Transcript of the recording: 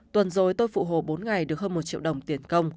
tuần rồi tôi phụ hồ bốn ngày được hơn một triệu đồng tiền công